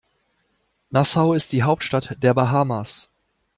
Nassau ist die Hauptstadt der Bahamas.